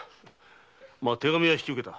手紙は引き受けた。